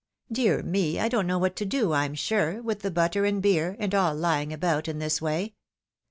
" Dear me ! I don't know what to do, I'm sure, with the butter and beer, and aU lying about in this way.